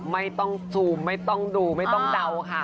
ไม่ต้องซูมไม่ต้องดูไม่ต้องเดาค่ะ